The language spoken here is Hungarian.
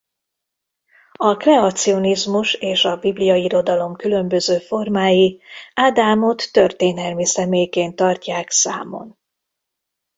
A kreacionizmus és a bibliai irodalom különböző formái Ádámot történelmi személyként tartják számon.